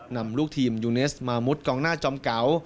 นำลูกทีมยูเนสมามุดกองหน้าจอมเก่า